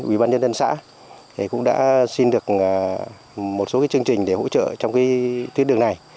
ủy ban nhân dân xã cũng đã xin được một số chương trình để hỗ trợ trong tuyến đường này